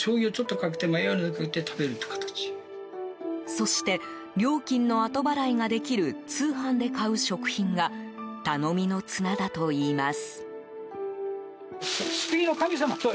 そして、料金の後払いができる通販で買う食品が頼みの綱だといいます。